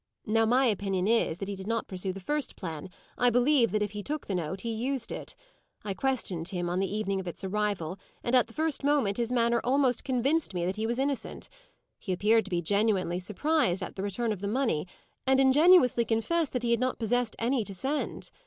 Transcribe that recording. Now, my opinion is, that he did not pursue the first plan, I believe that, if he took the note, he used it. I questioned him on the evening of its arrival, and at the first moment his manner almost convinced me that he was innocent. He appeared to be genuinely surprised at the return of the money, and ingenuously confessed that he had not possessed any to send.